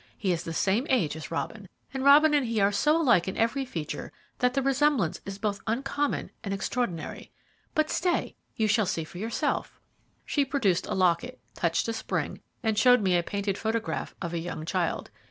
He is the same age as Robin, and Robin and he are so alike in every feature that the resemblance is both uncommon and extraordinary. But, stay, you shall see for yourself." She produced a locket, touched a spring, and showed me a painted photograph of a young child.